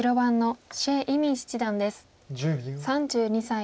３２歳。